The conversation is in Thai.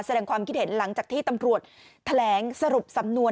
แสดงความคิดเห็นหลังจากที่ตำรวจแถลงสรุปสำนวน